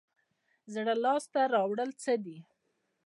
زړه لاس ته راوړل څه دي؟